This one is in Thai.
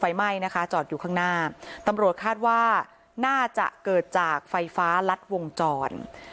ไฟไหม้นะคะจอดอยู่ข้างหน้าตำรวจคาดว่าน่าจะเกิดจากไฟฟ้ารัดวงจร